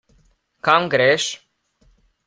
Kam greš?